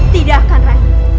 tidak akan rai